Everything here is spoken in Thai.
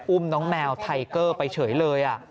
อุ้มน้องแมวไทเกอร์ไปเฉยเลย